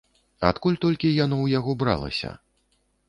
Адкуль толькі яно ў яго бралася.